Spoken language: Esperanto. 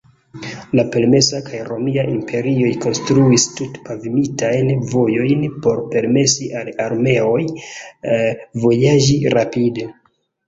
La persa kaj romia imperioj konstruis tut-pavimitajn vojojn por permesi al armeoj vojaĝi rapide.